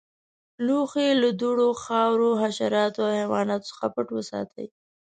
لوښي له دوړو، خاورو، حشراتو او حیواناتو څخه پټ وساتئ.